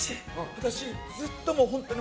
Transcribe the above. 私、ずっと本当に。